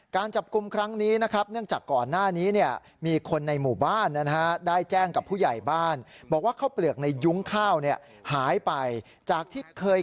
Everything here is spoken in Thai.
การจับกลุ่มครั้งนี้นะครับเนื่องจากก่อนหน้านี้เนี่ย